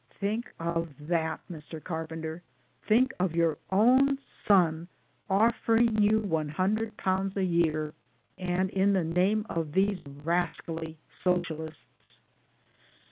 ' 11 Think' of that, Mr. Carpenter, think of your own son offering you 100 a year, and in the name of these rascally Socialists